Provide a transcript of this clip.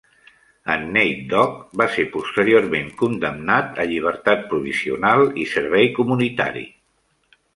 En Nate Dogg va ser posteriorment condemnat a llibertat provisional i servei comunitari.